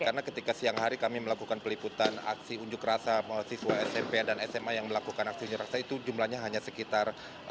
karena ketika siang hari kami melakukan peliputan aksi unjuk rasa mahasiswa smp dan sma yang melakukan aksi unjuk rasa itu jumlahnya hanya sekitar tiga ratus massa saja